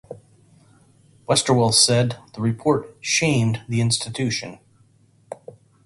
Westerwelle said the report "shamed" the institution.